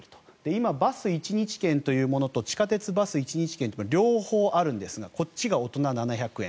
今、バス１日券というものと地下鉄・バス１日券両方あるんですがこっちが大人７００円